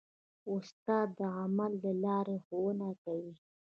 استاد د عمل له لارې ښوونه کوي.